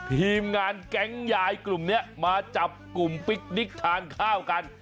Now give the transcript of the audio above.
ทีมงานแก๊งยายกลุ่มนี้มาจับกลุ่มปิ๊กนิกทานข้าวกัน